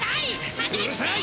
うるさい！